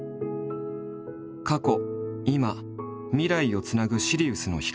「過去」「今」「未来」をつなぐシリウスの光。